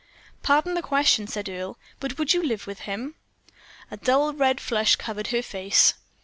"Pardon the question," said Earle, "but would you live with him?" A dull red flush covered her face.